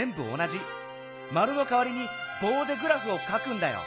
丸の代わりにぼうでグラフを書くんだよ。